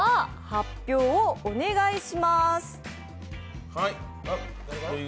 発表をお願いします。